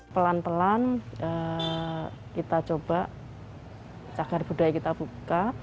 pelan pelan kita coba cagar budaya kita buka